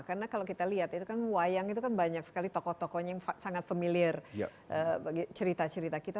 karena kalau kita lihat itu kan wayang itu kan banyak sekali tokoh tokohnya yang sangat familiar cerita cerita kita